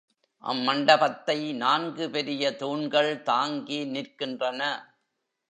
அம்மண்டபத்தை நான்கு பெரிய தூண்கள் தாங்கி நிற்கின்றன.